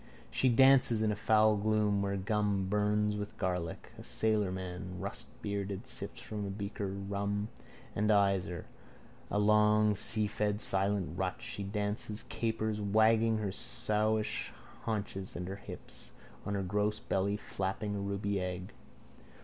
She dances in a foul gloom where gum bums with garlic. A sailorman, rustbearded, sips from a beaker rum and eyes her. A long and seafed silent rut. She dances, capers, wagging her sowish haunches and her hips, on her gross belly flapping a ruby egg.